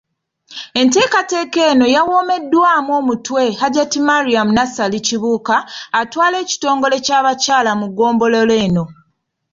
Enteekateeka eno yawoomeddwamu omutwe Hajjat Mariam Nassali Kibuuka, atwala ekitongole ky'abakyala mu ggombolola eno.